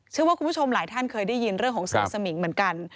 คุณผู้ชมหลายท่านเคยได้ยินเรื่องของเสือสมิงเหมือนกัน